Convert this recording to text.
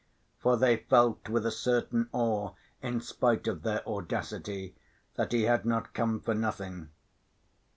For they felt with a certain awe, in spite of their audacity, that he had not come for nothing.